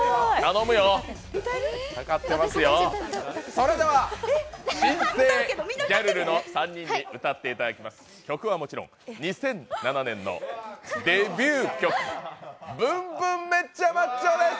かかってますよ、それでは新生ギャルルの３人に歌っていただきます、曲はもちろん２００７年のデビュー曲「ＢｏｏｍＢｏｏｍめっちゃマッチョ！」です。